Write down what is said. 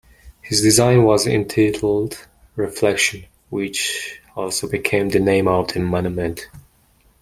His design was entitled "Reflection" which also became the name of the monument.